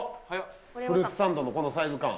フルーツサンドのこのサイズ感。